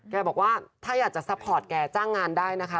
บอกว่าถ้าอยากจะซัพพอร์ตแกจ้างงานได้นะคะ